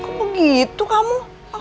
kok gitu kamu